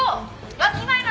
わきまえなさい！」